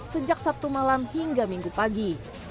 sejak sabtu malam hingga minggu pagi